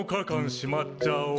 しまっちゃおう。